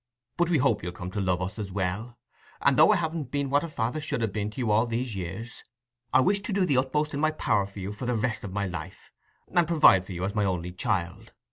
But we hope you'll come to love us as well; and though I haven't been what a father should ha' been to you all these years, I wish to do the utmost in my power for you for the rest of my life, and provide for you as my only child.